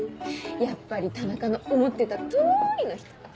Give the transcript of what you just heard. やっぱり田中の思ってた通りの人！